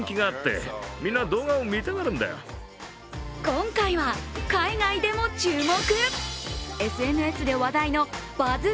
今回は海外でも注目！